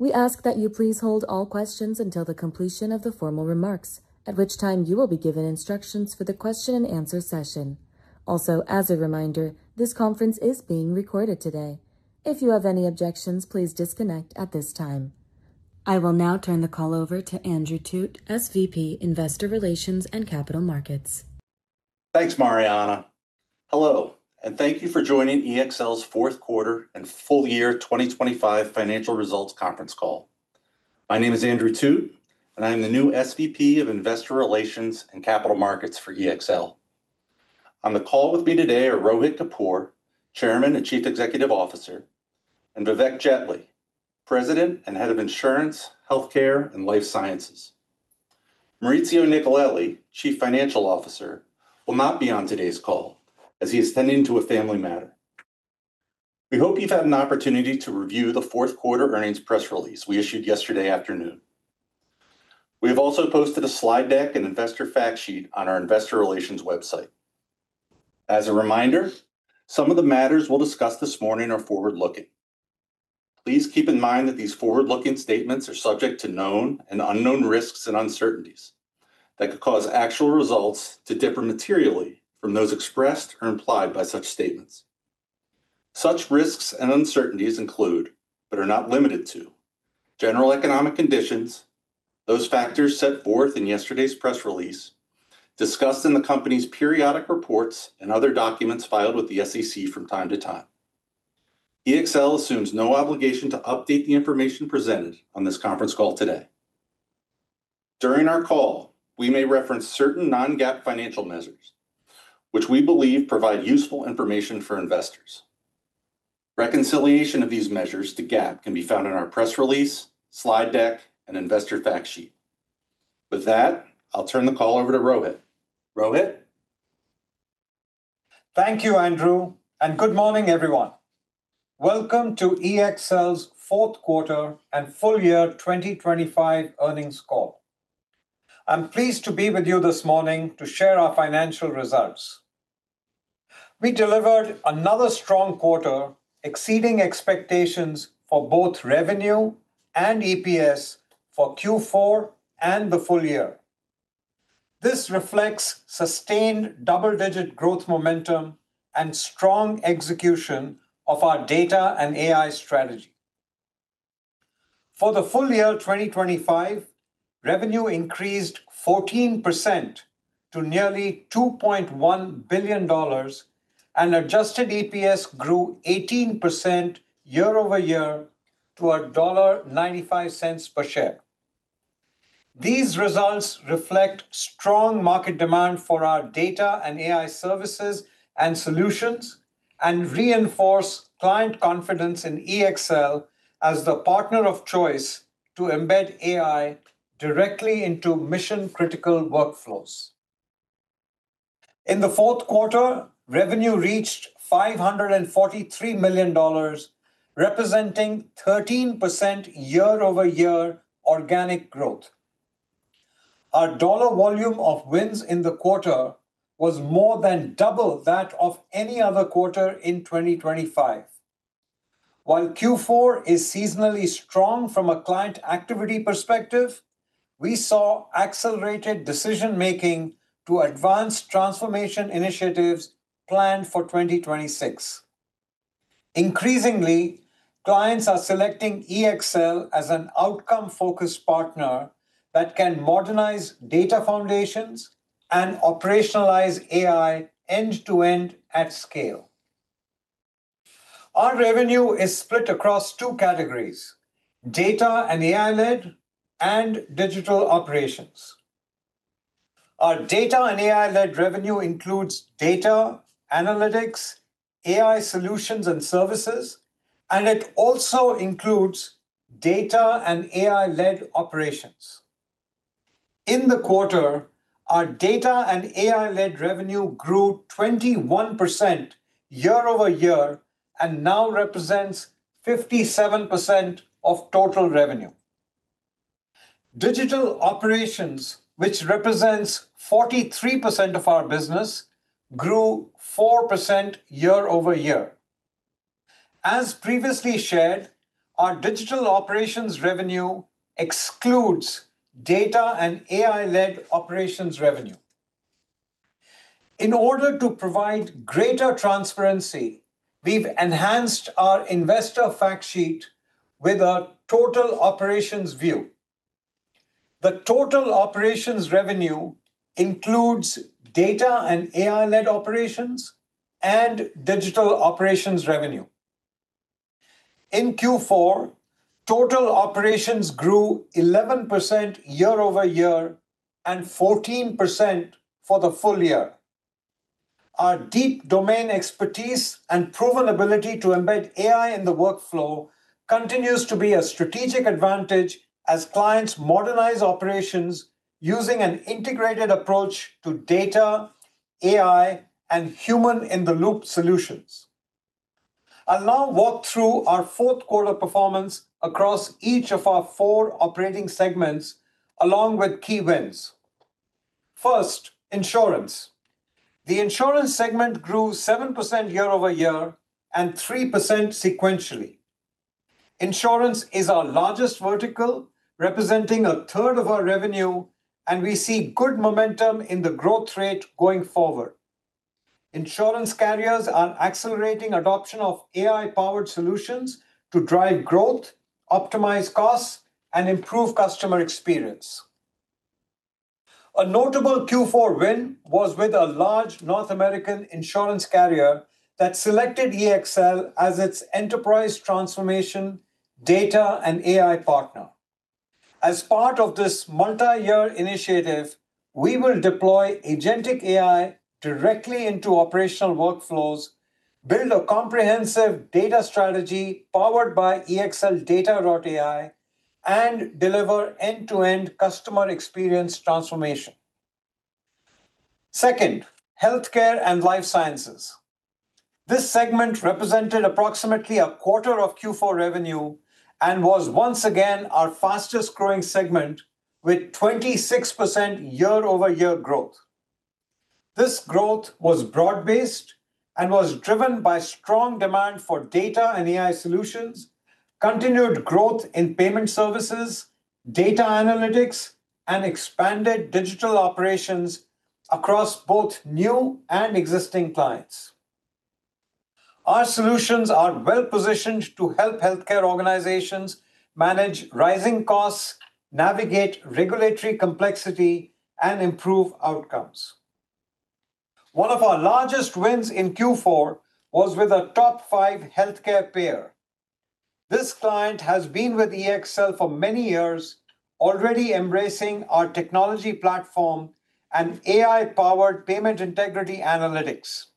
We ask that you please hold all questions until the completion of the formal remarks, at which time you will be given instructions for the question and answer session. Also, as a reminder, this conference is being recorded today. If you have any objections, please disconnect at this time. I will now turn the call over to Andrew Root, SVP, Investor Relations and Capital Markets. Thanks, Mariana. Hello, thank you for joining EXL's fourth quarter and Full year 2025 Financial Results conference call. My name is Andrew Root, I'm the new SVP of Investor Relations and Capital Markets for EXL. On the call with me today are Rohit Kapoor, Chairman and Chief Executive Officer, Vivek Jetley, President and Head of Insurance, Healthcare, and Life Sciences. Maurizio Nicoletti, Chief Financial Officer, will not be on today's call as he is tending to a family matter. We hope you've had an opportunity to review the fourth quarter earnings press release we issued yesterday afternoon. We have also posted a slide deck and investor fact sheet on our investor relations website. As a reminder, some of the matters we'll discuss this morning are forward-looking. Please keep in mind that these forward-looking statements are subject to known and unknown risks and uncertainties that could cause actual results to differ materially from those expressed or implied by such statements. Such risks and uncertainties include, but are not limited to, general economic conditions, those factors set forth in yesterday's press release, discussed in the company's periodic reports and other documents filed with the SEC from time to time. EXL assumes no obligation to update the information presented on this conference call today. During our call, we may reference certain non-GAAP financial measures, which we believe provide useful information for investors. Reconciliation of these measures to GAAP can be found in our press release, slide deck, and investor fact sheet. With that, I'll turn the call over to Rohit. Rohit? Thank you, Andrew. Good morning, everyone. Welcome to EXL's fourth quarter and full year 2025 earnings call. I'm pleased to be with you this morning to share our financial results. We delivered another strong quarter, exceeding expectations for both revenue and EPS for Q4 and the full year. This reflects sustained double-digit growth momentum and strong execution of our data and AI strategy. For the full year 2025, revenue increased 14% to nearly $2.1 billion. Adjusted EPS grew 18% year-over-year to $1.95 per share. These results reflect strong market demand for our data and AI services and solutions, reinforce client confidence in EXL as the partner of choice to embed AI directly into mission-critical workflows. In the fourth quarter, revenue reached $543 million, representing 13% year-over-year organic growth. Our dollar volume of wins in the quarter was more than double that of any other quarter in 2025. While Q4 is seasonally strong from a client activity perspective, we saw accelerated decision-making to advance transformation initiatives planned for 2026. Increasingly, clients are selecting EXL as an outcome-focused partner that can modernize data foundations and operationalize AI end-to-end at scale. Our revenue is split across two categories: Data and AI led, and digital operations. Our data and AI-led revenue includes data, analytics, AI solutions and services, and it also includes data and AI-led operations. In the quarter, our data and AI-led revenue grew 21% year-over-year and now represents 57% of total revenue. Digital operations, which represents 43% of our business, grew 4% year-over-year. As previously shared, our digital operations revenue excludes data and AI-led operations revenue. In order to provide greater transparency, we've enhanced our investor fact sheet with a total operations view. The total operations revenue includes data and AI-led operations and digital operations revenue. In Q4, total operations grew 11% year-over-year and 14% for the full year. Our deep domain expertise and proven ability to embed AI in the workflow continues to be a strategic advantage as clients modernize operations using an integrated approach to data, AI, and human-in-the-loop solutions. I'll now walk through our fourth quarter performance across each of our four operating segments, along with key wins. First, Insurance. The Insurance segment grew 7% year-over-year and 3% sequentially. Insurance is our largest vertical, representing a third of our revenue, and we see good momentum in the growth rate going forward. Insurance carriers are accelerating adoption of AI-powered solutions to drive growth, optimize costs, and improve customer experience. A notable Q4 win was with a large North American insurance carrier that selected EXL as its enterprise transformation data and AI partner. As part of this multi-year initiative, we will deploy agentic AI directly into operational workflows, build a comprehensive data strategy powered by EXLdata.ai, and deliver end-to-end customer experience transformation. Second, healthcare and life sciences. This segment represented approximately a quarter of Q4 revenue and was once again our fastest-growing segment, with 26% year-over-year growth. This growth was broad-based and was driven by strong demand for data and AI solutions, continued growth in payment services, data analytics, and expanded digital operations across both new and existing clients. Our solutions are well-positioned to help healthcare organizations manage rising costs, navigate regulatory complexity, and improve outcomes. One of our largest wins in Q4 was with a top five healthcare payer. This client has been with EXL for many years, already embracing our technology platform and AI-powered payment integrity analytics.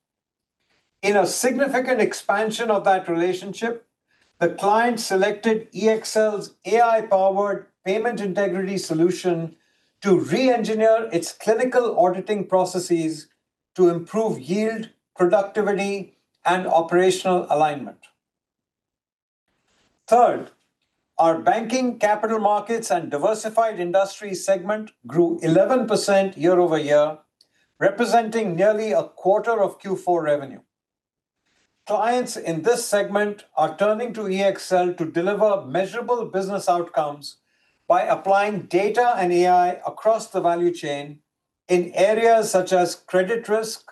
In a significant expansion of that relationship, the client selected EXL's AI-powered payment integrity solution to re-engineer its clinical auditing processes to improve yield, productivity, and operational alignment. Third, our banking, capital markets, and diversified industries segment grew 11% year-over-year, representing nearly a quarter of Q4 revenue. Clients in this segment are turning to EXL to deliver measurable business outcomes by applying data and AI across the value chain in areas such as credit risk,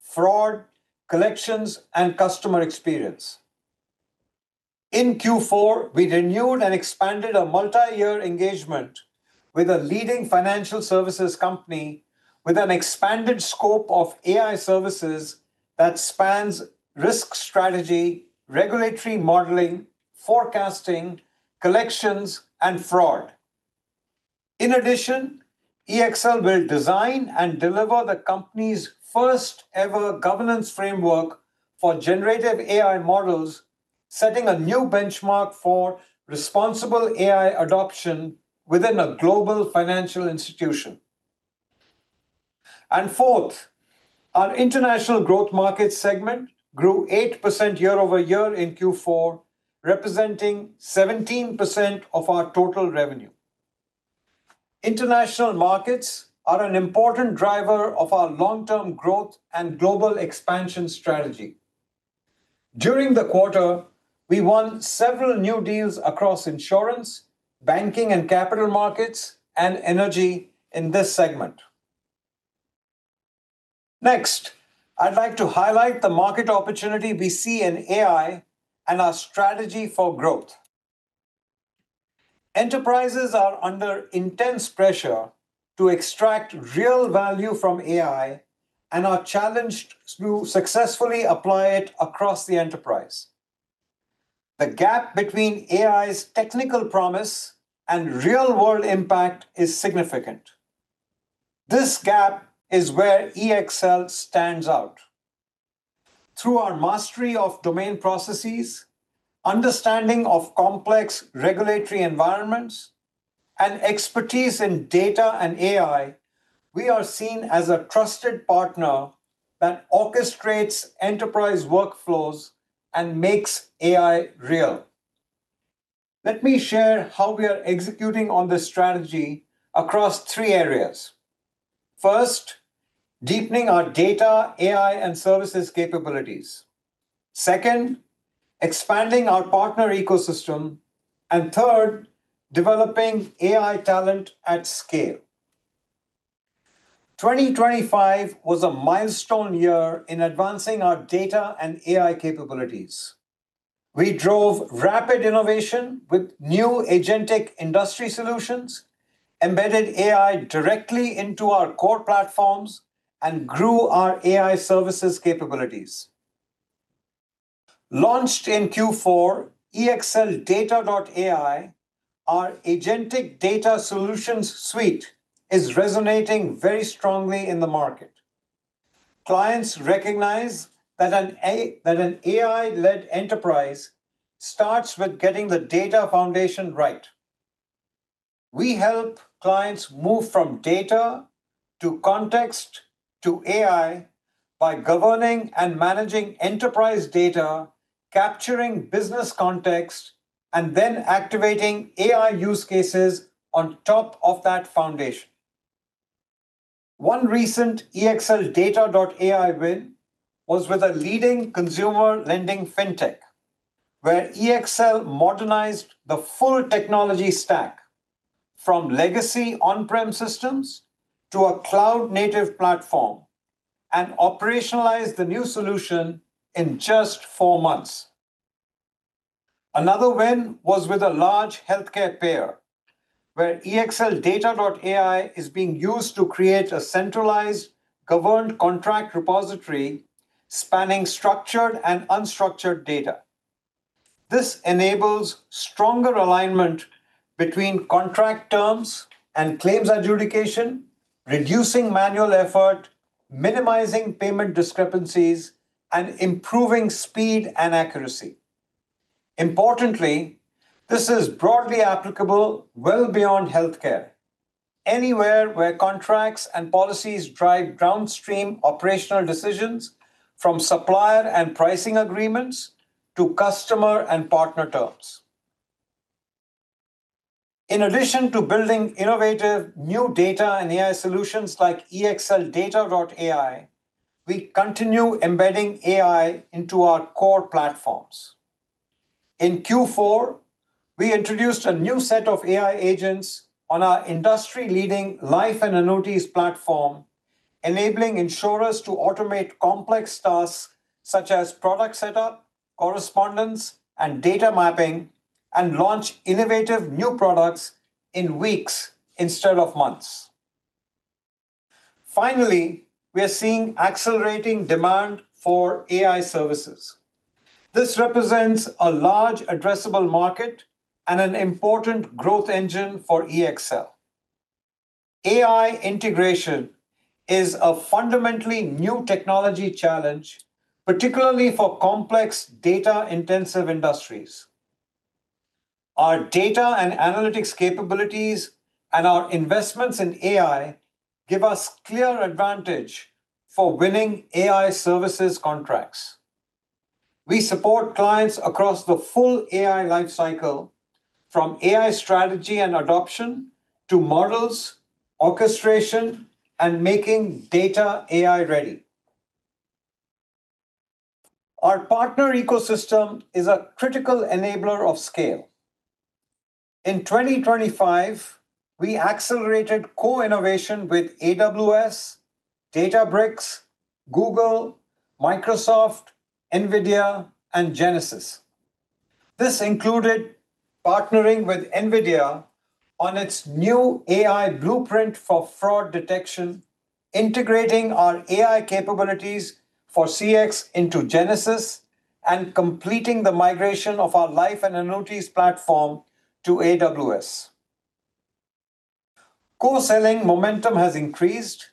fraud, collections, and customer experience. In Q4, we renewed and expanded a multi-year engagement with a leading financial services company with an expanded scope of AI services that spans risk strategy, regulatory modeling, forecasting, collections, and fraud. Fourth, our international growth markets segment grew 8% year-over-year in Q4, representing 17% of our total revenue. International markets are an important driver of our long-term growth and global expansion strategy. During the quarter, we won several new deals across insurance, banking, and capital markets, and energy in this segment. I'd like to highlight the market opportunity we see in AI and our strategy for growth. Enterprises are under intense pressure to extract real value from AI and are challenged to successfully apply it across the enterprise. The gap between AI's technical promise and real-world impact is significant. This gap is where EXL stands out. Through our mastery of domain processes, understanding of complex regulatory environments, and expertise in data and AI, we are seen as a trusted partner that orchestrates enterprise workflows and makes AI real. Let me share how we are executing on this strategy across three areas. First, deepening our data, AI, and services capabilities. Second, expanding our partner ecosystem. third, developing AI talent at scale. 2025 was a milestone year in advancing our data and AI capabilities. We drove rapid innovation with new agentic industry solutions, embedded AI directly into our core platforms, and grew our AI services capabilities. Launched in Q4, EXLdata.ai, our agentic data solutions suite, is resonating very strongly in the market. Clients recognize that an AI-led enterprise starts with getting the data foundation right. We help clients move from data to context to AI. by governing and managing enterprise data, capturing business context, and then activating AI use cases on top of that foundation. One recent EXLdata.ai win was with a leading consumer lending fintech, where EXL modernized the full technology stack from legacy on-prem systems to a cloud-native platform, and operationalized the new solution in just four months. Another win was with a large healthcare payer, where EXLdata.ai is being used to create a centralized, governed contract repository, spanning structured and unstructured data. This enables stronger alignment between contract terms and claims adjudication, reducing manual effort, minimizing payment discrepancies, and improving speed and accuracy. Importantly, this is broadly applicable well beyond healthcare, anywhere where contracts and policies drive downstream operational decisions, from supplier and pricing agreements to customer and partner terms. In addition to building innovative new data and AI solutions like EXLdata.ai, we continue embedding AI into our core platforms. In Q4, we introduced a new set of AI agents on our industry-leading life and annuities platform, enabling insurers to automate complex tasks such as product setup, correspondence, and data mapping, and launch innovative new products in weeks instead of months. We are seeing accelerating demand for AI services. This represents a large addressable market and an important growth engine for EXL. AI integration is a fundamentally new technology challenge, particularly for complex data-intensive industries. Our data and analytics capabilities and our investments in AI give us clear advantage for winning AI services contracts. We support clients across the full AI life cycle, from AI strategy and adoption to models, orchestration, and making data AI-ready. Our partner ecosystem is a critical enabler of scale. In 2025, we accelerated co-innovation with AWS, Databricks, Google, Microsoft, NVIDIA, and Genesys. This included partnering with NVIDIA on its new AI blueprint for fraud detection, integrating our AI capabilities for CX into Genesys, and completing the migration of our life and annuities platform to AWS. Co-selling momentum has increased,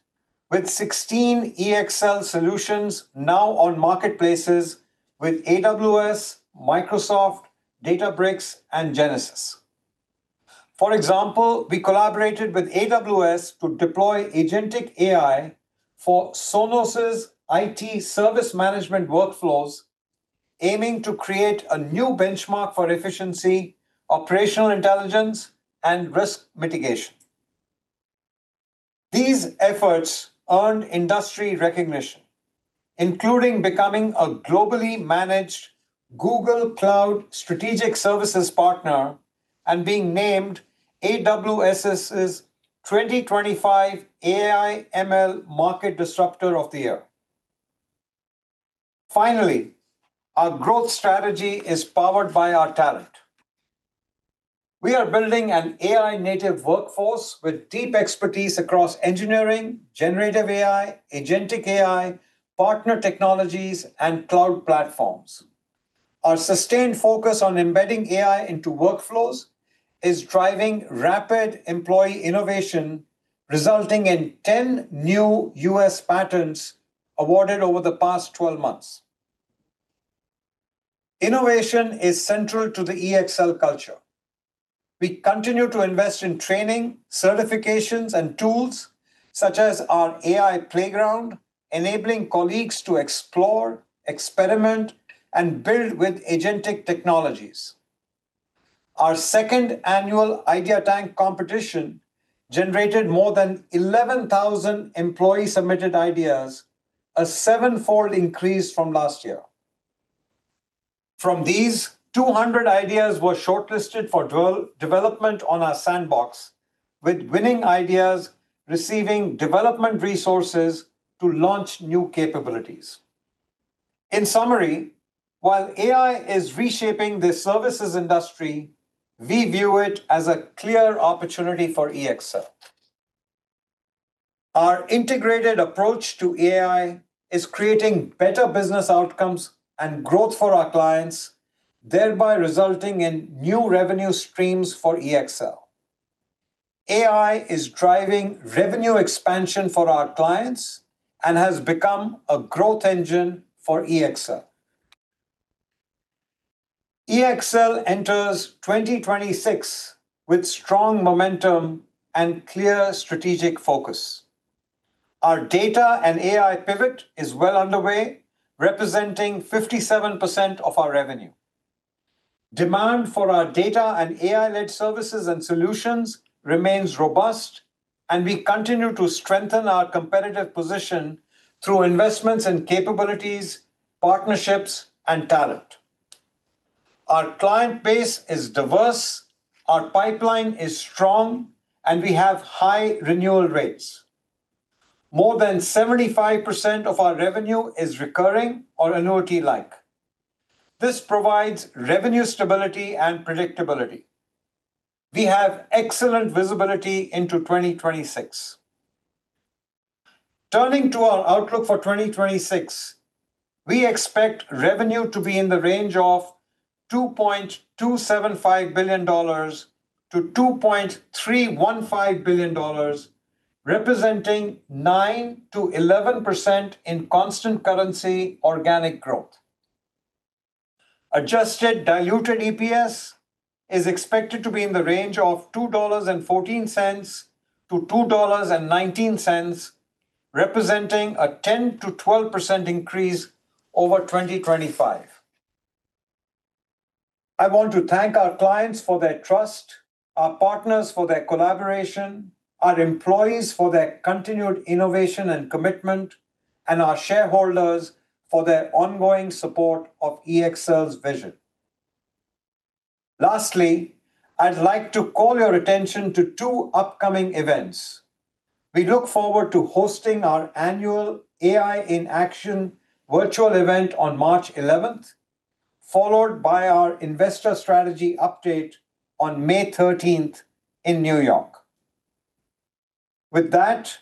with 16 EXL solutions now on marketplaces with AWS, Microsoft, Databricks, and Genesys. For example, we collaborated with AWS to deploy agentic AI for Sonos' IT service management workflows, aiming to create a new benchmark for efficiency, operational intelligence, and risk mitigation. These efforts earned industry recognition, including becoming a globally managed Google Cloud Strategic Services partner and being named AWS's 2025 AI/ML Market Disruptor of the Year. Our growth strategy is powered by our talent. We are building an AI-native workforce with deep expertise across engineering, generative AI, agentic AI, partner technologies, and cloud platforms. Our sustained focus on embedding AI into workflows is driving rapid employee innovation, resulting in 10 new U.S. patents awarded over the past 12 months. Innovation is central to the EXL culture. We continue to invest in training, certifications, and tools such as our AI playground, enabling colleagues to explore, experiment, and build with agentic technologies. Our second annual Idea Tank competition generated more than 11,000 employee-submitted ideas, a seven-fold increase from last year. From these, 200 ideas were shortlisted for development on our sandbox, with winning ideas receiving development resources to launch new capabilities. In summary, while AI is reshaping the services industry, we view it as a clear opportunity for EXL. Our integrated approach to AI is creating better business outcomes and growth for our clients, thereby resulting in new revenue streams for EXL. AI is driving revenue expansion for our clients and has become a growth engine for EXL. EXL enters 2026 with strong momentum and clear strategic focus. Our data and AI pivot is well underway, representing 57% of our revenue. Demand for our data and AI-led services and solutions remains robust, we continue to strengthen our competitive position through investments in capabilities, partnerships, and talent. Our client base is diverse, our pipeline is strong, we have high renewal rates. More than 75% of our revenue is recurring or annuity-like. This provides revenue stability and predictability. We have excellent visibility into 2026. Turning to our outlook for 2026, we expect revenue to be in the range of $2.275 billion-$2.315 billion, representing 9%-11% in constant currency organic growth. Adjusted diluted EPS is expected to be in the range of $2.14-$2.19, representing a 10%-12% increase over 2025. I want to thank our clients for their trust, our partners for their collaboration, our employees for their continued innovation and commitment, and our shareholders for their ongoing support of EXL's vision. Lastly, I'd like to call your attention to two upcoming events. We look forward to hosting our annual AI in Action virtual event on March 11th followed by our Investor Strategy Update on May13th in New York. With that,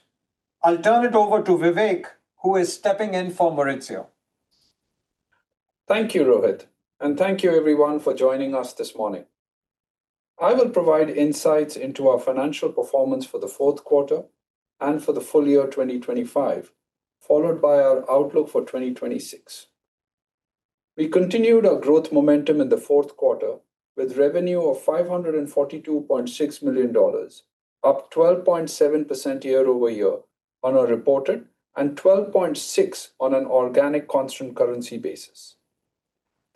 I'll turn it over to Vivek, who is stepping in for Maurizio. Thank you, Rohit, and thank you everyone for joining us this morning. I will provide insights into our financial performance for the fourth quarter and for the full year 2025, followed by our outlook for 2026. We continued our growth momentum in the fourth quarter with revenue of $542.6 million, up 12.7% year-over-year on our reported, and 12.6% on an organic constant currency basis.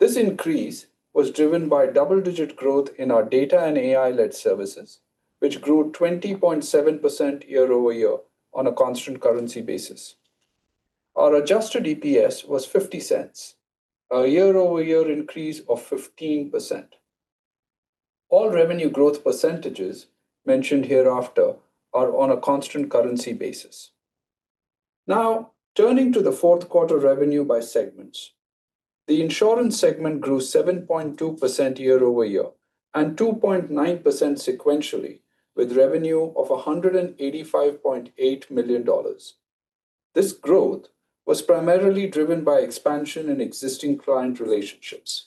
This increase was driven by double-digit growth in our data and AI-led services, which grew 20.7% year-over-year on a constant currency basis. Our Adjusted EPS was $0.50, a year-over-year increase of 15%. All revenue growth percentages mentioned hereafter are on a constant currency basis. Turning to the fourth quarter revenue by segments. The insurance segment grew 7.2% year-over-year and 2.9% sequentially, with revenue of $185.8 million. This growth was primarily driven by expansion in existing client relationships.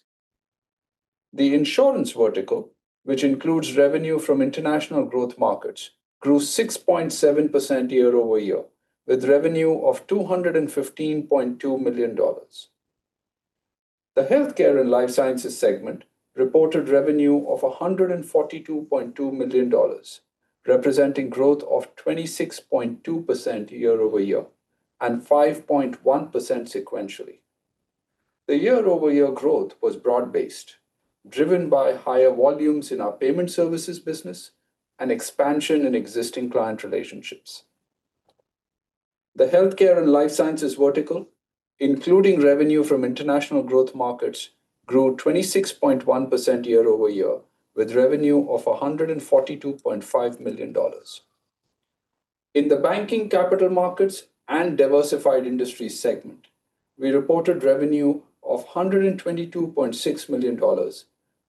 The insurance vertical, which includes revenue from international growth markets, grew 6.7% year-over-year, with revenue of $215.2 million. The healthcare and life sciences segment reported revenue of $142.2 million, representing growth of 26.2% year-over-year and 5.1% sequentially. The year-over-year growth was broad-based, driven by higher volumes in our payment services business and expansion in existing client relationships. The healthcare and life sciences vertical, including revenue from international growth markets, grew 26.1% year-over-year, with revenue of $142.5 million. In the banking, capital markets, and diversified industries segment, we reported revenue of $122.6 million,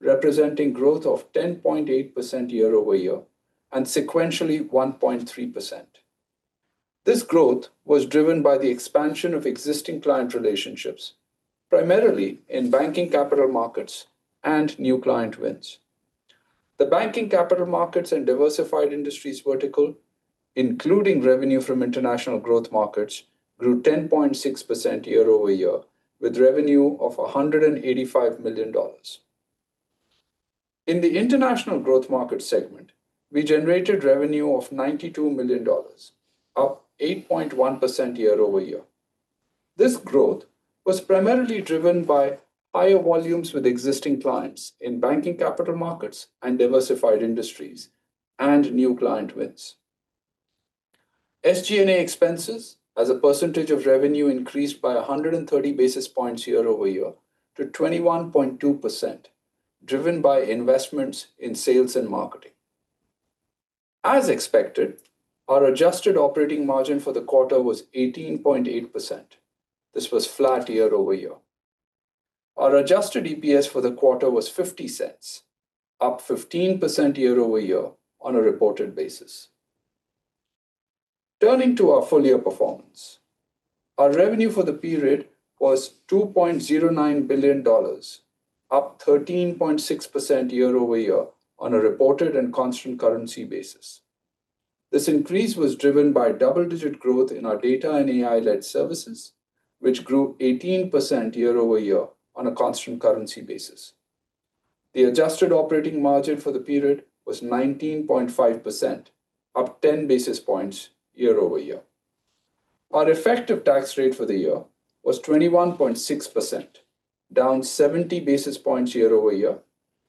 representing growth of 10.8% year-over-year, and sequentially 1.3%. This growth was driven by the expansion of existing client relationships, primarily in banking, capital markets and new client wins. The banking, capital markets, and diversified industries vertical, including revenue from international growth markets, grew 10.6% year-over-year, with revenue of $185 million. In the international growth market segment, we generated revenue of $92 million, up 8.1% year-over-year. This growth was primarily driven by higher volumes with existing clients in banking, capital markets, and diversified industries, and new client wins. SG&A expenses as a percentage of revenue increased by 130 basis points year-over-year to 21.2%, driven by investments in sales and marketing. As expected, our adjusted operating margin for the quarter was 18.8%. This was flat year-over-year. Our Adjusted EPS for the quarter was $0.50, up 15% year-over-year on a reported basis. Turning to our full-year performance. Our revenue for the period was $2.09 billion, up 13.6% year-over-year on a reported and constant currency basis. This increase was driven by double-digit growth in our data and AI-led services, which grew 18% year-over-year on a constant currency basis. The adjusted operating margin for the period was 19.5%, up 10 basis points year-over-year. Our effective tax rate for the year was 21.6%, down 70 basis points year-over-year,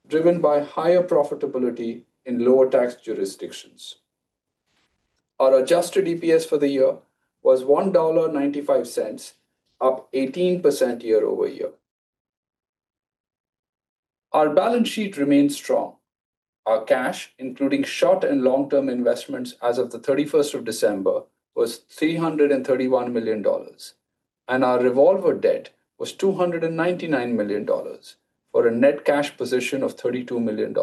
driven by higher profitability in lower tax jurisdictions. Our Adjusted EPS for the year was $1.95, up 18% year-over-year. Our balance sheet remains strong. Our cash, including short and long-term investments as of the of December 31st, was $331 million, and our revolver debt was $299 million, for a net cash position of $32 million.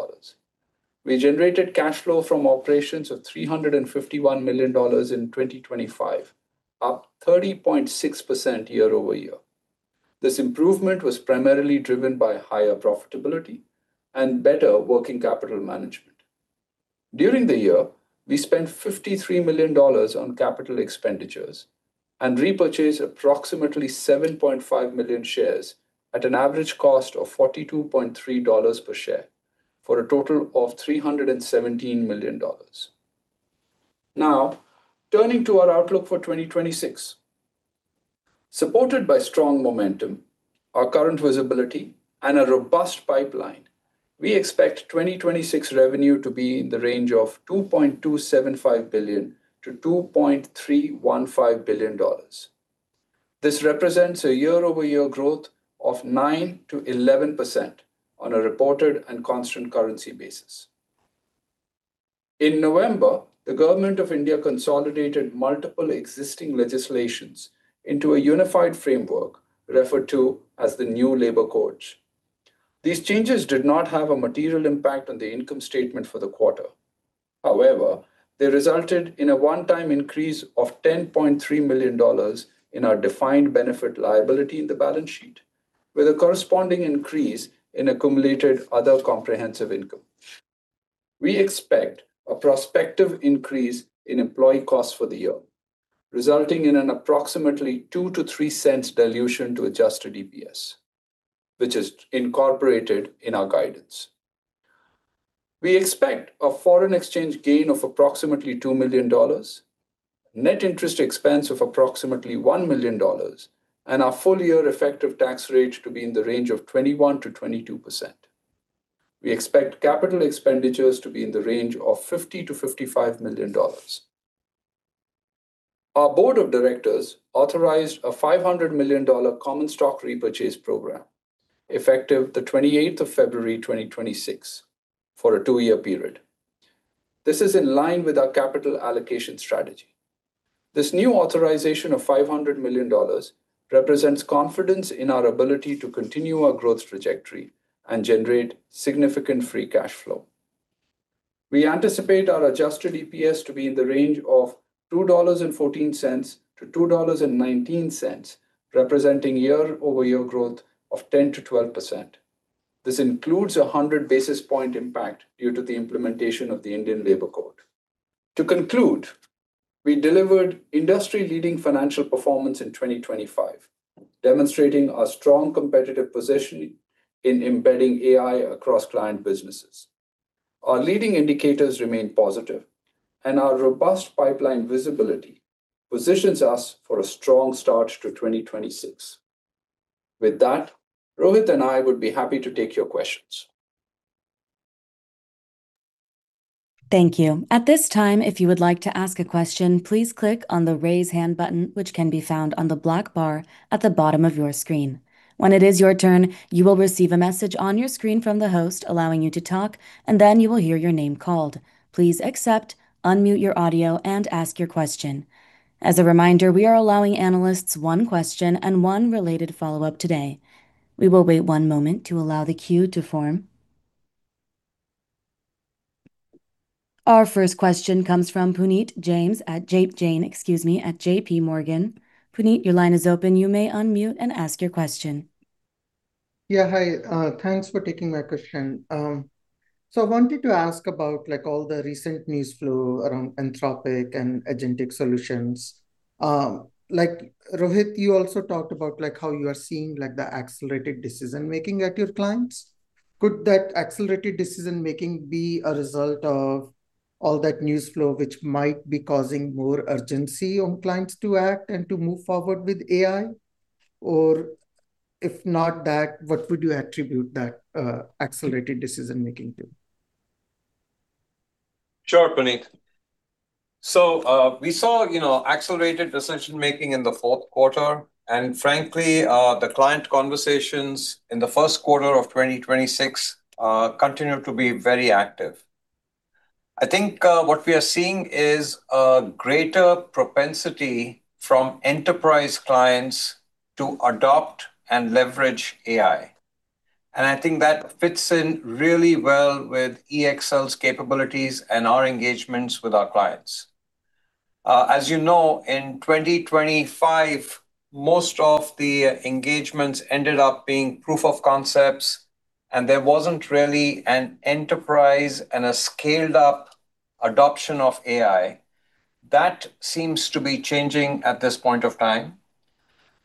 We generated cash flow from operations of $351 million in 2025, up 30.6% year-over-year. This improvement was primarily driven by higher profitability and better working capital management. During the year, we spent $53 million on capital expenditures and repurchased approximately 7.5 million shares at an average cost of $42.3 per share, for a total of $317 million. Turning to our outlook for 2026. Supported by strong momentum, our current visibility, and a robust pipeline, we expect 2026 revenue to be in the range of $2.275 billion-$2.315 billion. This represents a year-over-year growth of 9%-11% on a reported and constant currency basis. In November, the Government of India consolidated multiple existing legislations into a unified framework referred to as the New Labour Codes. These changes did not have a material impact on the income statement for the quarter. However, they resulted in a one-time increase of $10.3 million in our defined benefit liability in the balance sheet, with a corresponding increase in accumulated other comprehensive income. We expect a prospective increase in employee costs for the year, resulting in an approximately 2-3 cents dilution to Adjusted EPS, which is incorporated in our guidance. We expect a foreign exchange gain of approximately $2 million, net interest expense of approximately $1 million, and our full-year effective tax rate to be in the range of 21%-22%. We expect capital expenditures to be in the range of $50 million-$55 million. Our board of directors authorized a $500 million common stock repurchase program, effective the February 28th, 2026, for a two-year period. This is in line with our capital allocation strategy. This new authorization of $500 million represents confidence in our ability to continue our growth trajectory and generate significant free cash flow. We anticipate our Adjusted EPS to be in the range of $2.14-$2.19, representing year-over-year growth of 10%-12%. This includes a 100 basis point impact due to the implementation of the Indian Labor Code. To conclude, we delivered industry-leading financial performance in 2025, demonstrating our strong competitive positioning in embedding AI across client businesses. Our robust pipeline visibility positions us for a strong start to 2026. With that, Rohit and I would be happy to take your questions. Thank you. At this time, if you would like to ask a question, please click on the Raise Hand button, which can be found on the black bar at the bottom of your screen. When it is your turn, you will receive a message on your screen from the host, allowing you to talk, and then you will hear your name called. Please accept, unmute your audio, and ask your question. As a reminder, we are allowing analysts one question and one related follow-up today. We will wait one moment to allow the queue to form. Our first question comes from Puneet Jain, excuse me, at JPMorgan. Puneet, your line is open. You may unmute and ask your question. Yeah, hi. Thanks for taking my question. I wanted to ask about, like, all the recent news flow around Anthropic and agentic solutions. Like, Rohit, you also talked about, like, how you are seeing, like, the accelerated decision-making at your clients. Could that accelerated decision-making be a result of all that news flow, which might be causing more urgency on clients to act and to move forward with AI? Or if not that, what would you attribute that accelerated decision-making to? Sure, Puneet. We saw, you know, accelerated decision-making in the 4th quarter, and frankly, the client conversations in the 1st quarter of 2026 continued to be very active. I think, what we are seeing is a greater propensity from enterprise clients to adopt and leverage AI, and I think that fits in really well with EXL's capabilities and our engagements with our clients. As you know, in 2025, most of the engagements ended up being proof of concepts, and there wasn't really an enterprise and a scaled-up adoption of AI. That seems to be changing at this point of time.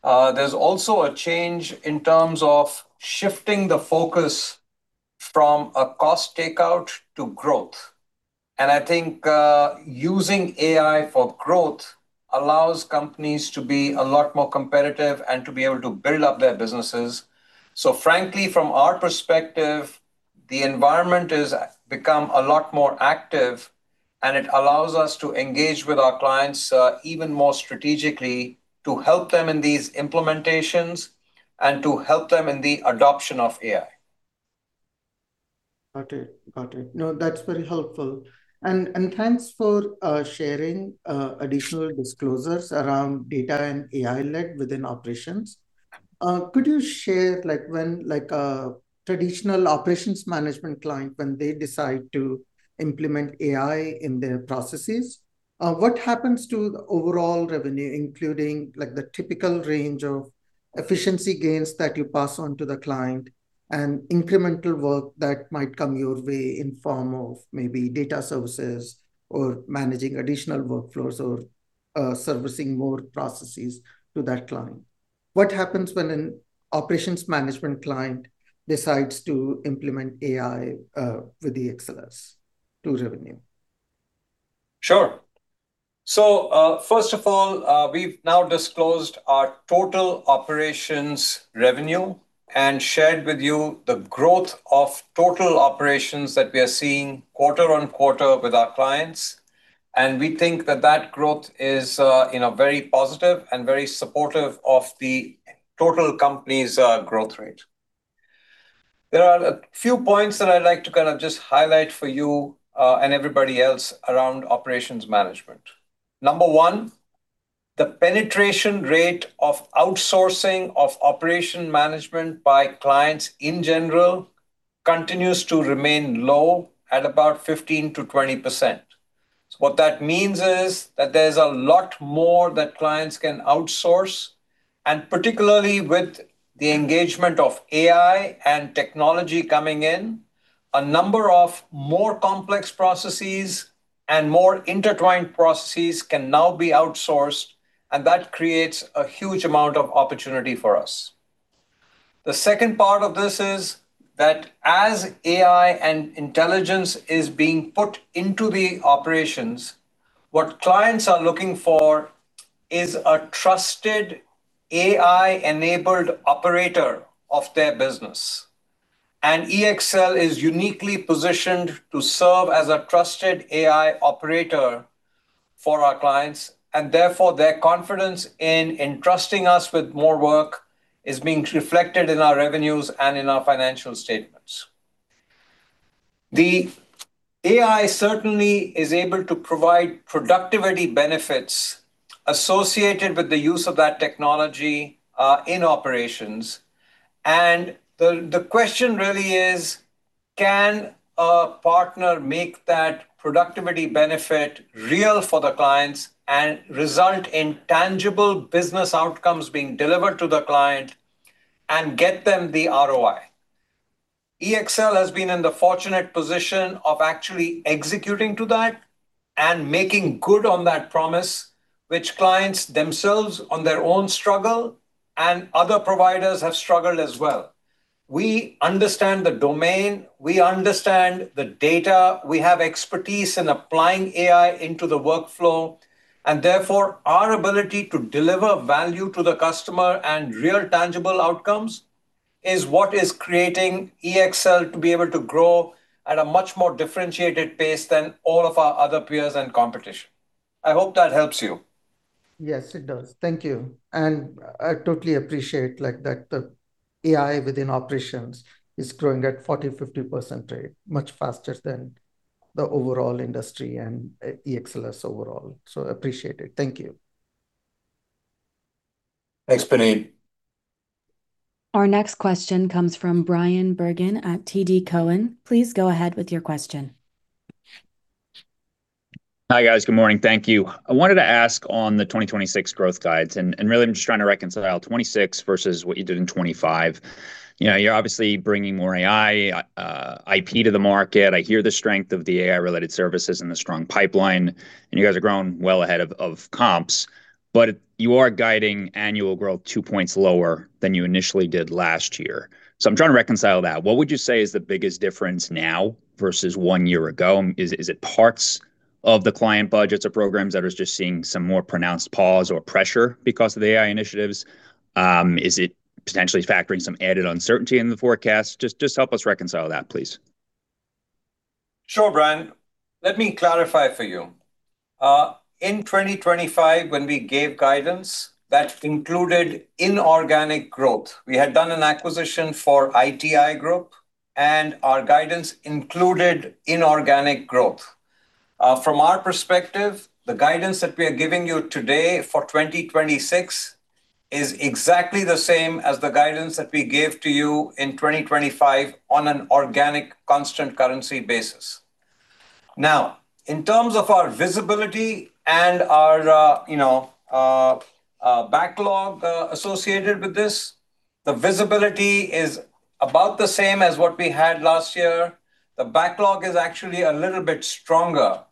There's also a change in terms of shifting the focus from a cost takeout to growth, and I think, using AI for growth allows companies to be a lot more competitive and to be able to build up their businesses. Frankly, from our perspective, the environment is become a lot more active, and it allows us to engage with our clients, even more strategically to help them in these implementations and to help them in the adoption of AI. Got it. Got it. No, that's very helpful. Thanks for sharing additional disclosures around data and AI-led within operations. Could you share, like, when, like, a traditional operations management client, when they decide to implement AI in their processes, what happens to the overall revenue, including, like, the typical range of efficiency gains that you pass on to the client, and incremental work that might come your way in form of maybe data services or managing additional workflows or servicing more processes to that client? What happens when an operations management client decides to implement AI with EXL to revenue? Sure. First of all, we've now disclosed our total operations revenue and shared with you the growth of total operations that we are seeing quarter-on-quarter with our clients, and we think that that growth is, you know, very positive and very supportive of the total company's growth rate. There are a few points that I'd like to kind of just highlight for you and everybody else around operations management. Number one, the penetration rate of outsourcing of operation management by clients in general continues to remain low at about 15%-20%. What that means is that there's a lot more that clients can outsource, and particularly with the engagement of AI and technology coming in, a number of more complex processes and more intertwined processes can now be outsourced, and that creates a huge amount of opportunity for us. The second part of this is that as AI and intelligence is being put into the operations, what clients are looking for is a trusted AI-enabled operator of their business. EXL is uniquely positioned to serve as a trusted AI operator for our clients, and therefore, their confidence in trusting us with more work is being reflected in our revenues and in our financial statements. The AI certainly is able to provide productivity benefits associated with the use of that technology in operations, and the question really is: Can a partner make that productivity benefit real for the clients and result in tangible business outcomes being delivered to the client and get them the ROI? EXL has been in the fortunate position of actually executing to that and making good on that promise, which clients themselves, on their own, struggle and other providers have struggled as well. We understand the domain, we understand the data, we have expertise in applying AI into the workflow, and therefore, our ability to deliver value to the customer and real, tangible outcomes is what is creating EXL to be able to grow at a much more differentiated pace than all of our other peers and competition. I hope that helps you. Yes, it does. Thank you. I totally appreciate, like, that the AI within operations is growing at 40%, 50% rate, much faster than the overall industry and EXL's overall. Appreciate it. Thank you. Thanks, Puneet. Our next question comes from Bryan Bergin at TD Cowen. Please go ahead with your question. Hi, guys. Good morning. Thank you. I wanted to ask on the 2026 growth guides, and really I'm just trying to reconcile 2026 versus what you did in 2025. You know, you're obviously bringing more AI IP to the market. I hear the strength of the AI-related services and the strong pipeline, and you guys are growing well ahead of comps, but you are guiding annual growth two points lower than you initially did last year. I'm trying to reconcile that. What would you say is the biggest difference now versus 1 year ago? Is it parts of the client budgets or programs that are just seeing some more pronounced pause or pressure because of the AI initiatives? Is it potentially factoring some added uncertainty in the forecast? Just help us reconcile that, please. Sure, Bryan. Let me clarify for you. In 2025, when we gave guidance, that included inorganic growth. We had done an acquisition for ITI Data, and our guidance included inorganic growth. From our perspective, the guidance that we are giving you today for 2026 is exactly the same as the guidance that we gave to you in 2025 on an organic, constant currency basis. In terms of our visibility and our, you know, backlog associated with this, the visibility is about the same as what we had last year. The backlog is actually a little bit stronger.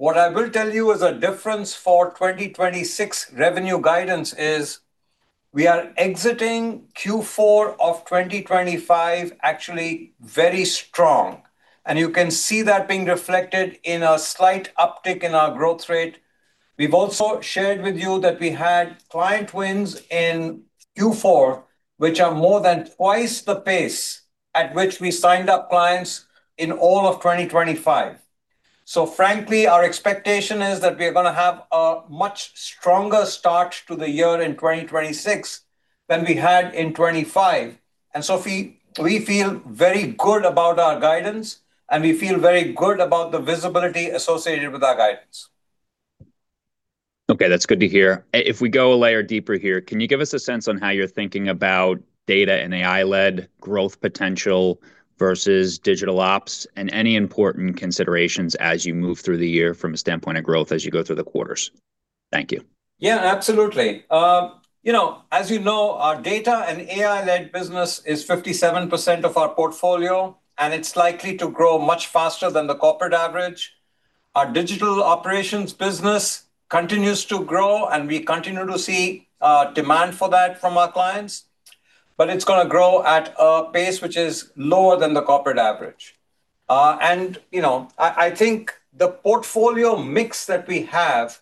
What I will tell you is a difference for 2026 revenue guidance is we are exiting Q4 of 2025 actually very strong, and you can see that being reflected in a slight uptick in our growth rate. We've also shared with you that we had client wins in Q4, which are more than twice the pace at which we signed up clients in all of 2025. Frankly, our expectation is that we are going to have a much stronger start to the year in 2026 than we had in 2025. We feel very good about our guidance, and we feel very good about the visibility associated with our guidance. Okay, that's good to hear. If we go a layer deeper here, can you give us a sense on how you're thinking about data and AI-led growth potential versus digital ops, and any important considerations as you move through the year from a standpoint of growth as you go through the quarters? Thank you. Absolutely. You know, as you know, our data and AI-led business is 57% of our portfolio, and it's likely to grow much faster than the corporate average. Our digital operations business continues to grow, and we continue to see demand for that from our clients, but it's going to grow at a pace which is lower than the corporate average. You know, I think the portfolio mix that we have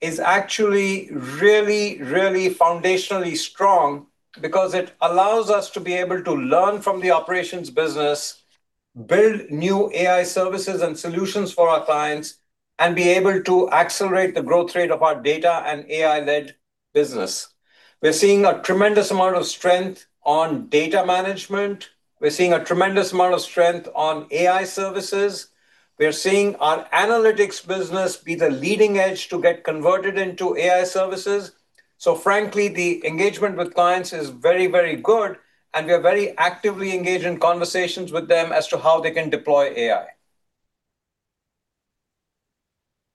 is actually really, really foundationally strong because it allows us to be able to learn from the operations business, build new AI services and solutions for our clients, and be able to accelerate the growth rate of our data and AI-led business. We're seeing a tremendous amount of strength on data management. We're seeing a tremendous amount of strength on AI services. We are seeing our analytics business be the leading edge to get converted into AI services. Frankly, the engagement with clients is very, very good, and we are very actively engaged in conversations with them as to how they can deploy AI.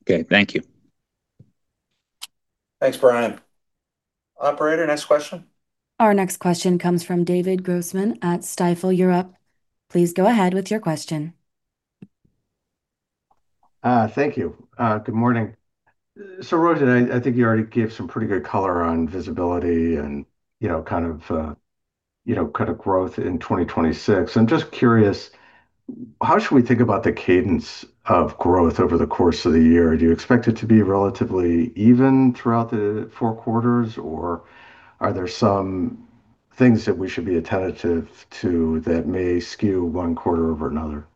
Okay. Thank you. Thanks, Brian. Operator, next question. Our next question comes from David Grossman at Stifel Europe. Please go ahead with your question. Thank you. Good morning. Rohit, I think you already gave some pretty good color on visibility and, you know, kind of growth in 2026. I'm just curious, how should we think about the cadence of growth over the course of the year? Do you expect it to be relatively even throughout the four quarters, or are there some things that we should be attentive to that may skew one quarter over another?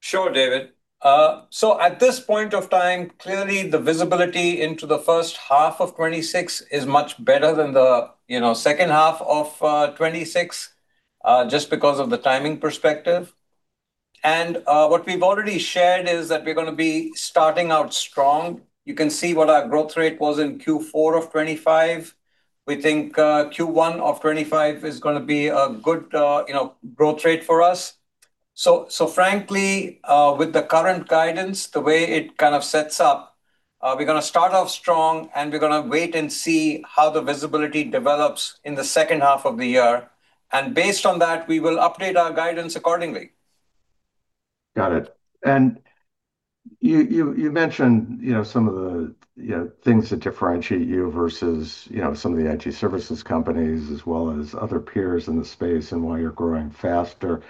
Sure, David. At this point of time, clearly the visibility into the first half of 2026 is much better than the, you know, second half of 2026, just because of the timing perspective. What we've already shared is that we're going to be starting out strong. You can see what our growth rate was in Q4 of 2025. We think Q1 of 2025 is going to be a good, you know, growth rate for us. Frankly, with the current guidance, the way it kind of sets up, we're going to start off strong, and we're going to wait and see how the visibility develops in the second half of the year. Based on that, we will update our guidance accordingly. Got it. You mentioned, you know, some of the, you know, things that differentiate you versus, you know, some of the IT services companies, as well as other peers in the space, and why you're growing faster.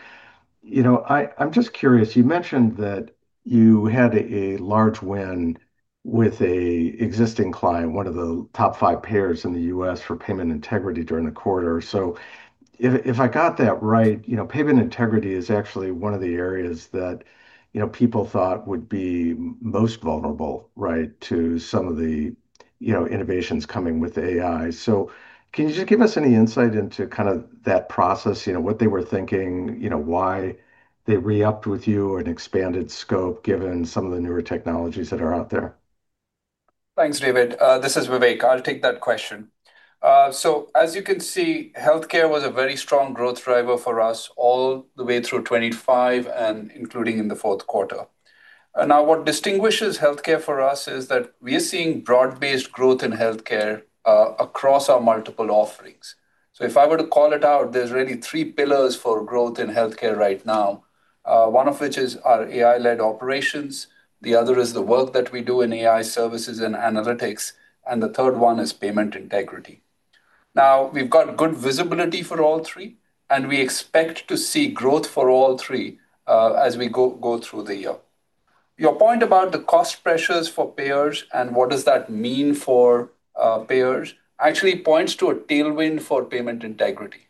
You know, I'm just curious, you mentioned that you had a large win with a existing client, one of the top five payers in the U.S., for payment integrity during the quarter. If I got that right, you know, payment integrity is actually one of the areas that, you know, people thought would be most vulnerable, right, to some of the, you know, innovations coming with AI. Can you just give us any insight into kind of that process? You know, what they were thinking, you know, why they re-upped with you and expanded scope, given some of the newer technologies that are out there? Thanks, David. This is Vivek. I'll take that question. As you can see, healthcare was a very strong growth driver for us all the way through 2025 and including in the fourth quarter. Now what distinguishes healthcare for us is that we are seeing broad-based growth in healthcare across our multiple offerings. If I were to call it out, there's really three pillars for growth in healthcare right now, one of which is our AI-led operations, the other is the work that we do in AI services and analytics, and the third one is payment integrity. We've got good visibility for all three, and we expect to see growth for all three as we go through the year. Your point about the cost pressures for payers and what does that mean for payers, actually points to a tailwind for payment integrity.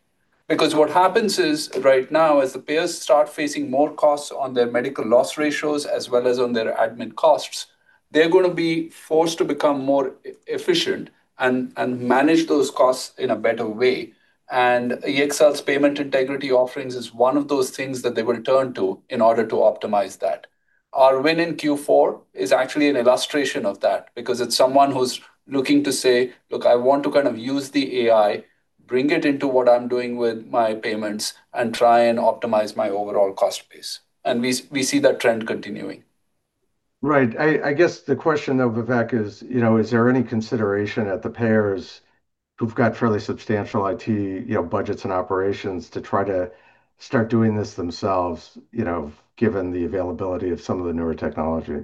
What happens is, right now, as the payers start facing more costs on their medical loss ratios as well as on their admin costs, they're going to be forced to become more efficient and manage those costs in a better way. EXL's payment integrity offerings is one of those things that they will turn to in order to optimize that. Our win in Q4 is actually an illustration of that, because it's someone who's looking to say: "Look, I want to kind of use the AI, bring it into what I'm doing with my payments, and try and optimize my overall cost base." We see that trend continuing. Right. I guess the question, though, Vivek, is, you know, is there any consideration that the payers who've got fairly substantial IT, you know, budgets and operations, to try to start doing this themselves, you know, given the availability of some of the newer technology?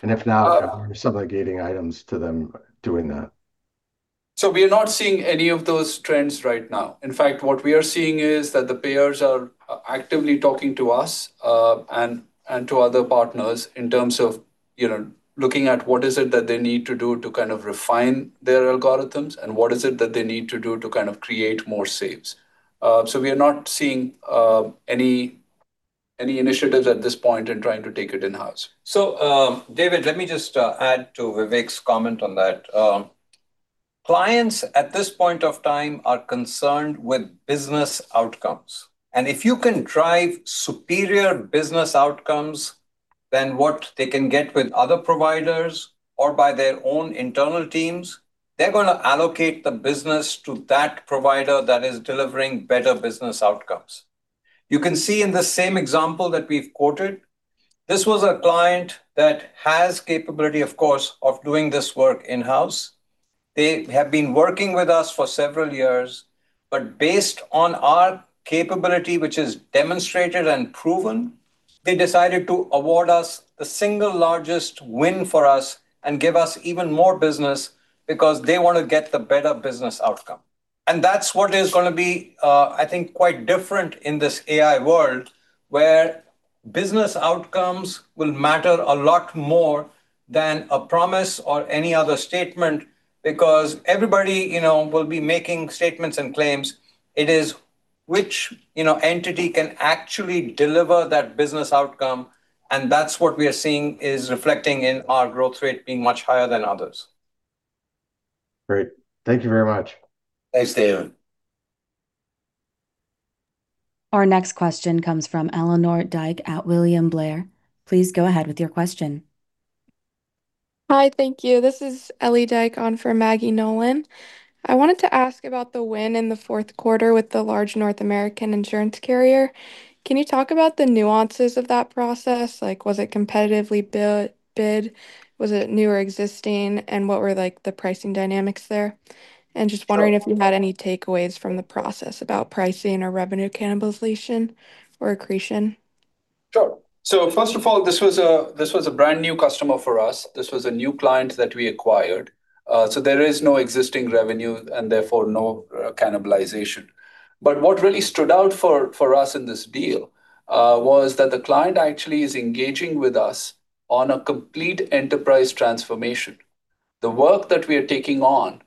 If not, are there some like getting items to them doing that? We are not seeing any of those trends right now. In fact, what we are seeing is that the payers are actively talking to us, and to other partners in terms of, you know, looking at what is it that they need to do to kind of refine their algorithms, and what is it that they need to do to kind of create more saves. We are not seeing any initiatives at this point in trying to take it in-house. David, let me just add to Vivek's comment on that. Clients at this point of time are concerned with business outcomes, and if you can drive superior business outcomes than what they can get with other providers or by their own internal teams, they're gonna allocate the business to that provider that is delivering better business outcomes. You can see in the same example that we've quoted, this was a client that has capability, of course, of doing this work in-house. They have been working with us for several years, but based on our capability, which is demonstrated and proven, they decided to award us the single largest win for us and give us even more business because they want to get the better business outcome. That's what is gonna be, I think, quite different in this AI world, where business outcomes will matter a lot more than a promise or any other statement because everybody, you know, will be making statements and claims. It is which, you know, entity can actually deliver that business outcome, and that's what we are seeing is reflecting in our growth rate being much higher than others. Great. Thank you very much. Thanks, David. Our next question comes from Ellie Dyke at William Blair. Please go ahead with your question. Hi, thank you. This is Ellie Dyke on for Maggie Nolan. I wanted to ask about the win in the fourth quarter with the large North American insurance carrier. Can you talk about the nuances of that process? Like, was it competitively bid? Was it new or existing? What were, like, the pricing dynamics there? Sure. Just wondering if you had any takeaways from the process about pricing or revenue cannibalization or accretion? First of all, this was a brand-new customer for us. This was a new client that we acquired, so there is no existing revenue and therefore no cannibalization. What really stood out for us in this deal, was that the client actually is engaging with us on a complete enterprise transformation. The work that we are taking on,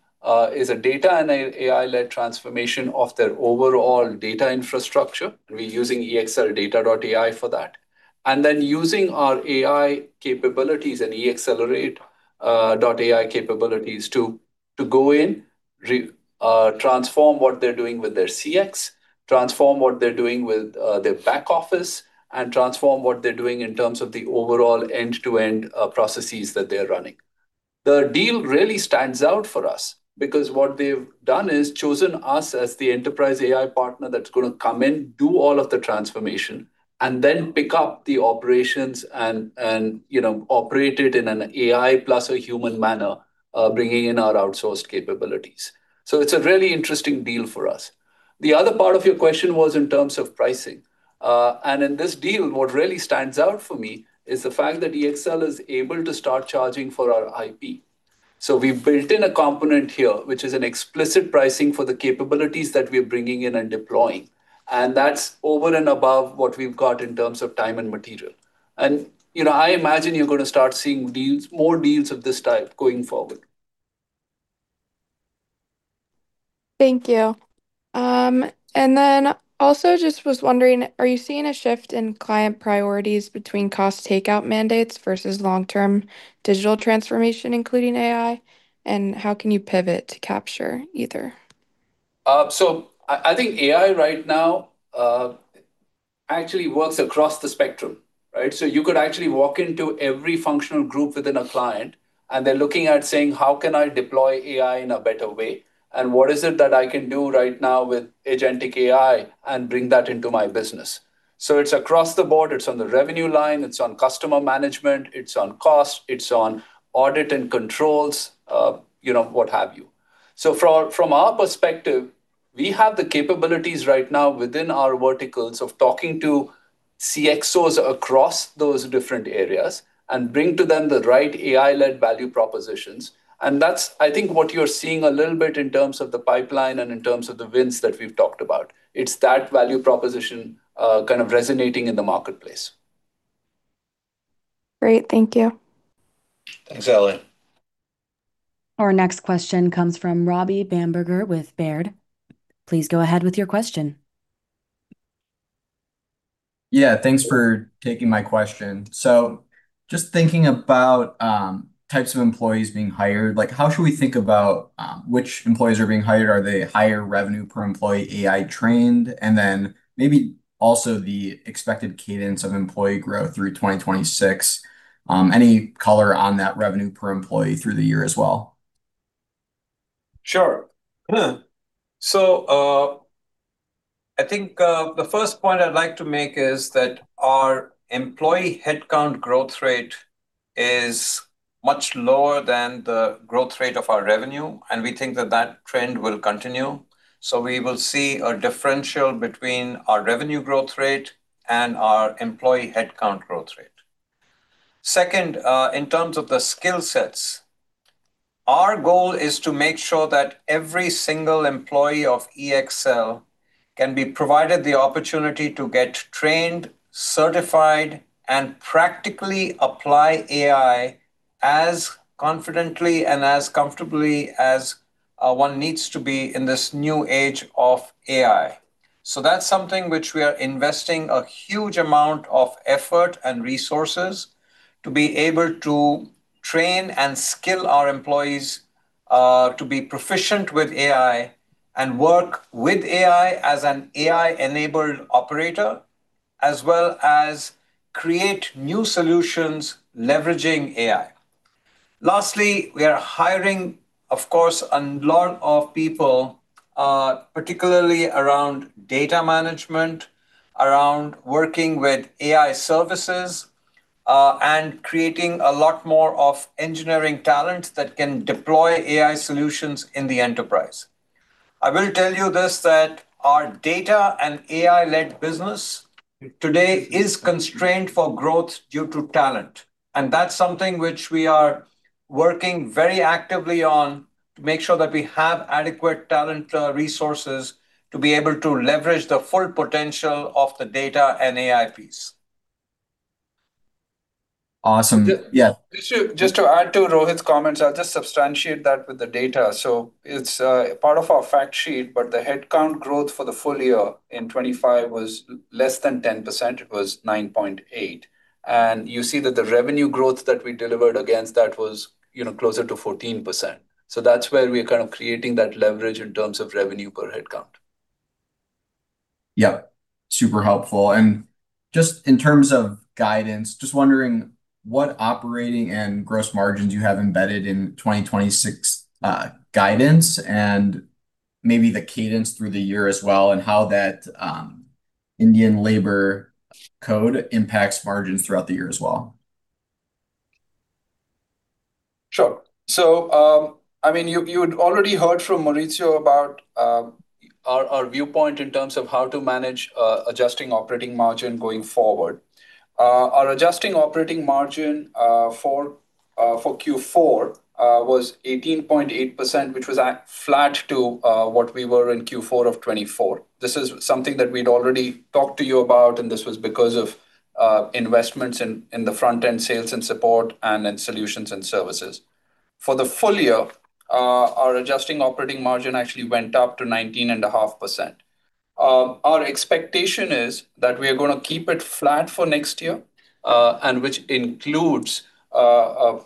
is a data and AI-led transformation of their overall data infrastructure. We're using EXLdata.ai for that, and then using our AI capabilities and EXL.ai capabilities to go in, re-transform what they're doing with their CX, transform what they're doing with their back office, and transform what they're doing in terms of the overall end-to-end processes that they're running. The deal really stands out for us because what they've done is chosen us as the enterprise AI partner that's gonna come in, do all of the transformation, and then pick up the operations and, you know, operate it in an AI plus a human manner, bringing in our outsourced capabilities. It's a really interesting deal for us. The other part of your question was in terms of pricing. In this deal, what really stands out for me is the fact that EXL is able to start charging for our IP. We've built in a component here, which is an explicit pricing for the capabilities that we're bringing in and deploying, and that's over and above what we've got in terms of time and material. You know, I imagine you're gonna start seeing deals, more deals of this type going forward. Thank you. Also just was wondering, are you seeing a shift in client priorities between cost takeout mandates versus long-term digital transformation, including AI? How can you pivot to capture either? I think AI right now actually works across the spectrum, right? You could actually walk into every functional group within a client, and they're looking at saying: "How can I deploy AI in a better way, and what is it that I can do right now with agentic AI and bring that into my business?" It's across the board. It's on the revenue line, it's on customer management, it's on cost, it's on audit and controls, you know, what have you. From our perspective, we have the capabilities right now within our verticals of talking to CXOs across those different areas and bring to them the right AI-led value propositions. That's, I think, what you're seeing a little bit in terms of the pipeline and in terms of the wins that we've talked about. It's that value proposition, kind of resonating in the marketplace. Great. Thank you. Thanks, Ellie. Our next question comes from Robert Bamberger with Baird. Please go ahead with your question. Yeah, thanks for taking my question. Just thinking about types of employees being hired, like, how should we think about which employees are being hired? Are they higher revenue per employee, AI-trained? Maybe also the expected cadence of employee growth through 2026? Any color on that revenue per employee through the year as well? I think the first point I'd like to make is that our employee headcount growth rate is much lower than the growth rate of our revenue, and we think that that trend will continue. We will see a differential between our revenue growth rate and our employee headcount growth rate. Second, in terms of the skill sets, our goal is to make sure that every single employee of EXL can be provided the opportunity to get trained, certified, and practically apply AI as confidently and as comfortably as one needs to be in this new age of AI. That's something which we are investing a huge amount of effort and resources to be able to train and skill our employees to be proficient with AI and work with AI as an AI-enabled operator, as well as create new solutions leveraging AI. We are hiring, of course, a lot of people, particularly around data management, around working with AI services, and creating a lot more of engineering talent that can deploy AI solutions in the enterprise. I will tell you this, that our data and AI-led business today is constrained for growth due to talent, and that's something which we are working very actively on to make sure that we have adequate talent resources to be able to leverage the full potential of the data and AI piece. Awesome. Yeah. Just to add to Rohit's comments, I'll just substantiate that with the data. It's part of our fact sheet, but the headcount growth for the full year in 2025 was less than 10%. It was 9.8. You see that the revenue growth that we delivered against that was, you know, closer to 14%. That's where we are kind of creating that leverage in terms of revenue per headcount. Yeah, super helpful. Just in terms of guidance, just wondering what operating and gross margins you have embedded in 2026 guidance, and maybe the cadence through the year as well, and how that Indian labor code impacts margins throughout the year as well. Sure. I mean, you'd already heard from Maurizio about our viewpoint in terms of how to manage adjusted operating margin going forward. Our adjusted operating margin for Q4 was 18.8%, which was at flat to what we were in Q4 of 2024. This is something that we'd already talked to you about, and this was because of investments in the front-end sales and support and in solutions and services. For the full year, our adjusted operating margin actually went up to 19.5%. Our expectation is that we are going to keep it flat for next year, and which includes the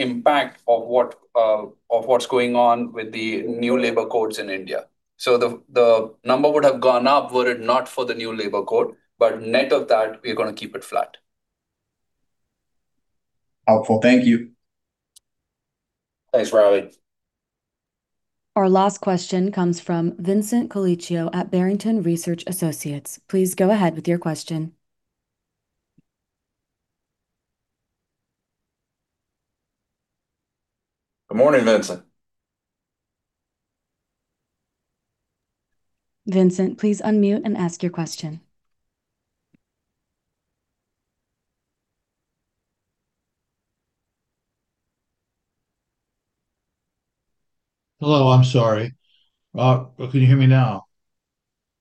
impact of what's going on with the New Labour Codes in India. The number would have gone up, were it not for the New Labour Code, but net of that, we're going to keep it flat. Helpful. Thank you. Thanks, Robbie. Our last question comes from Vincent Colicchio at Barrington Research Associates. Please go ahead with your question. Good morning, Vincent. Vincent, please unmute and ask your question. Hello, I'm sorry. Can you hear me now?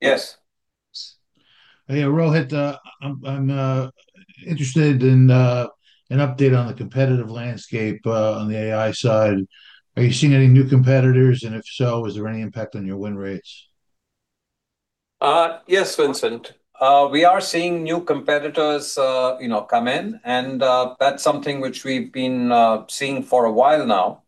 Yes. Yeah, Rohit, I'm interested in an update on the competitive landscape on the AI side. Are you seeing any new competitors, and if so, is there any impact on your win rates? Yes, Vincent. We are seeing new competitors, you know, come in, that's something which we've been seeing for a while now.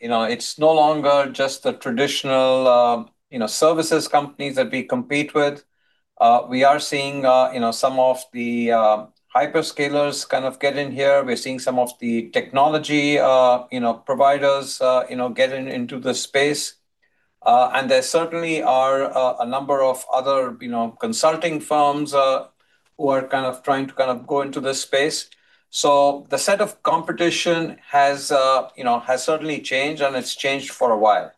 You know, it's no longer just the traditional, you know, services companies that we compete with. We are seeing, you know, some of the hyperscalers kind of get in here. We're seeing some of the technology, you know, providers, you know, get in, into the space. There certainly are a number of other, you know, consulting firms, who are kind of trying to kind of go into this space. The set of competition has, you know, has certainly changed, and it's changed for a while.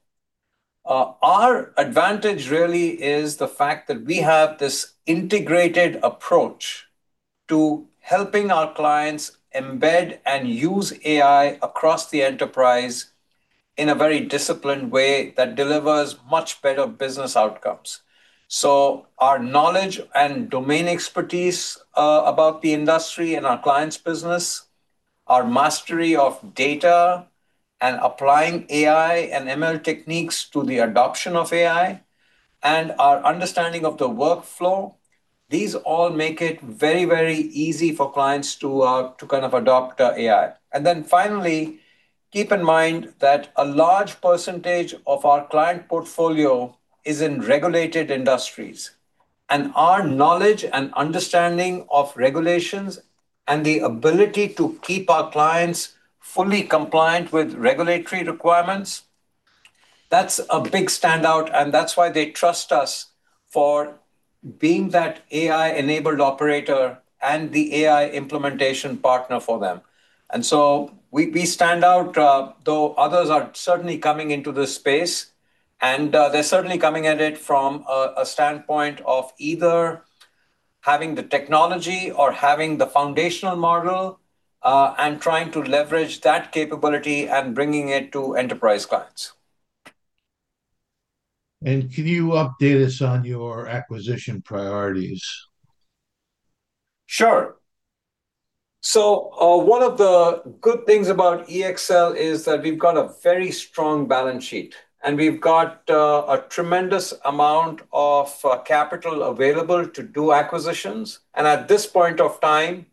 Our advantage really is the fact that we have this integrated approach to helping our clients embed and use AI across the enterprise in a very disciplined way that delivers much better business outcomes. Our knowledge and domain expertise about the industry and our clients' business, our mastery of data, and applying AI and ML techniques to the adoption of AI, and our understanding of the workflow, these all make it very, very easy for clients to kind of adopt AI. Finally, keep in mind that a large percentage of our client portfolio is in regulated industries. Our knowledge and understanding of regulations, and the ability to keep our clients fully compliant with regulatory requirements, that's a big standout, and that's why they trust us for being that AI-enabled operator and the AI implementation partner for them. We stand out though others are certainly coming into this space, and they're certainly coming at it from a standpoint of either having the technology or having the foundational model and trying to leverage that capability and bringing it to enterprise clients. Can you update us on your acquisition priorities? Sure. One of the good things about EXL is that we've got a very strong balance sheet, and we've got a tremendous amount of capital available to do acquisitions. At this point of time,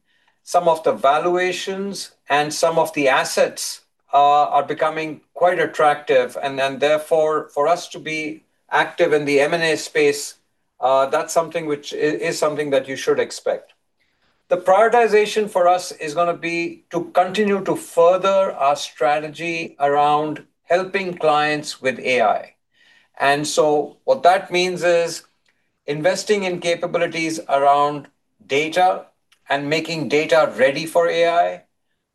some of the valuations and some of the assets are becoming quite attractive, and then, therefore, for us to be active in the M&A space, that's something which is something that you should expect. The prioritization for us is gonna be to continue to further our strategy around helping clients with AI. What that means is investing in capabilities around data and making data ready for AI.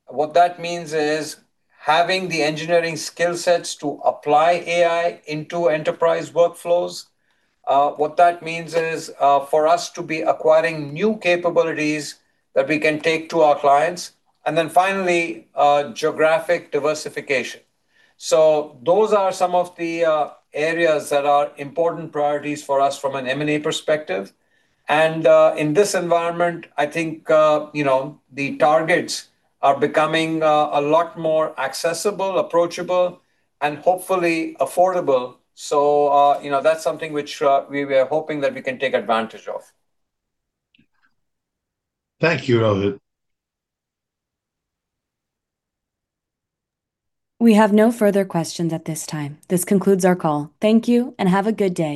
What that means is having the engineering skill sets to apply AI into enterprise workflows. What that means is for us to be acquiring new capabilities that we can take to our clients. Finally, geographic diversification. Those are some of the areas that are important priorities for us from an M&A perspective. In this environment, I think, you know, the targets are becoming a lot more accessible, approachable, and hopefully affordable. That's something which, you know, we are hoping that we can take advantage of. Thank you, Rohit. We have no further questions at this time. This concludes our call. Thank you, and have a good day.